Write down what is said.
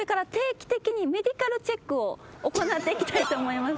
行っていきたいと思います。